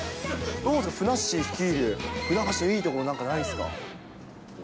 どうですか、ふなっしー率いる船橋のいい所、なんかないですか？